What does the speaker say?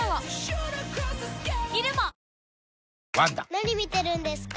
・何見てるんですか？